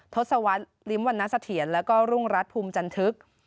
ทศวรรษริมวรรณเสถียรแล้วก็รุ่งรัฐภูมิจันทึก